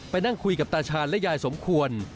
นั่งคุยกับตาชาญและยายสมควร